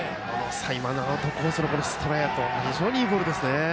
今のアウトコースのストレートは非常にいいボールでしたね。